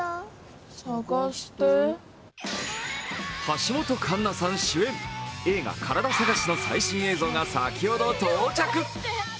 橋本環奈さん主演、映画「カラダ探し」の最新映像が先ほど到着。